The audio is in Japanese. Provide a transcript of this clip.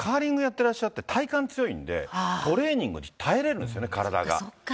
てらっしゃって体幹強いんで、トレーニングに耐えれるんですよね、体が。